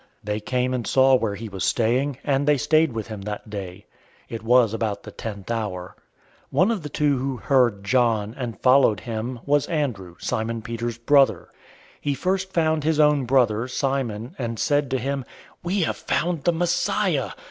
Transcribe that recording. They came and saw where he was staying, and they stayed with him that day. It was about the tenth hour.{4:00 PM.} 001:040 One of the two who heard John, and followed him, was Andrew, Simon Peter's brother. 001:041 He first found his own brother, Simon, and said to him, "We have found the Messiah!"